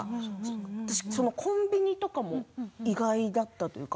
私、コンビニとかも意外だったというか。